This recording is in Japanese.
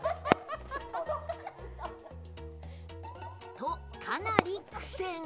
とかなり苦戦